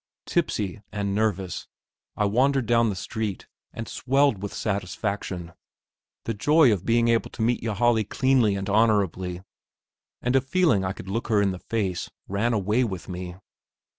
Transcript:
Tipsy and nervous, I wandered down the street, and swelled with satisfaction. The joy of being able to meet Ylajali cleanly and honourably, and of feeling I could look her in the face, ran away with me.